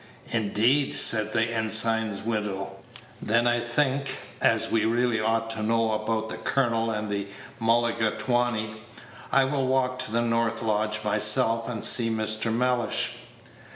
"Indeed!" said the ensign's widow; "then I think, as we really ought to know about the colonel and the mulligatawny, I will walk to the north lodge myself and see Mr. Mellish."